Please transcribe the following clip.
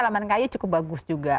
laman kayu cukup bagus juga